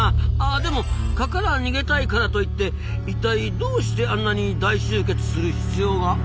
でも蚊から逃げたいからといっていったいどうしてあんなに大集結する必要があるんですか？